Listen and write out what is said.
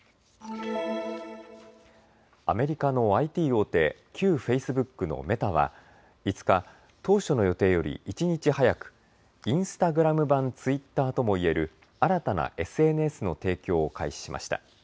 アメリカのＩＴ大手、旧フェイスブックのメタは５日、当初の予定より１日早くインスタグラム版ツイッターともいえる新たなＳＮＳの提供を開始しました。